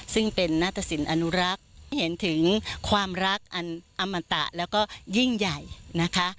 ซึ่งเป็นนาตสินอนุรักษ์ให้เห็นถึงความรักอันอมตะแล้วก็ยิ่งใหญ่นะคะ